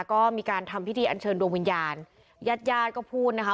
ก็มีการทำพิธีอันเชิญดวงวิญญาณญาติญาติก็พูดนะคะ